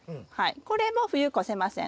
これも冬越せません。